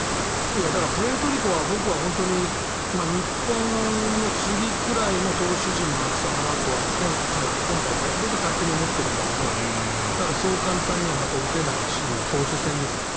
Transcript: だから、プエルトリコは僕は本当に日本の次くらいの投手陣の厚さかなと今大会僕は勝手に思ってるんだけど投手戦ですか？